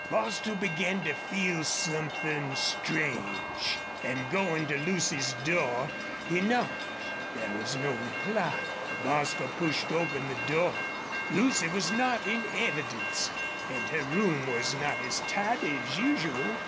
Bostil began to feel something strange, and, going to Lucy's door, he knocked. There was no reply. Bostil pushed open the door. Lucy was not in evidence, and her room was not as tidy as usual.